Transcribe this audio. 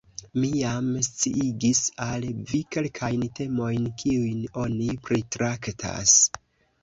Mi jam sciigis al vi kelkajn temojn, kiujn oni pritraktas.